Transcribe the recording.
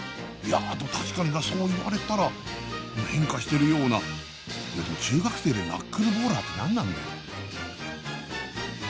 いやあでも確かになそう言われたら変化してるようないやでも中学生でナックルボーラーって何なんだよ